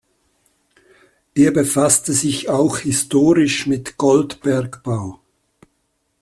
Er befasste sich auch historisch mit Goldbergbau.